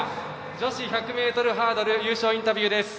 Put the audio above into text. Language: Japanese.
女子１００ｍハードルの優勝インタビューです。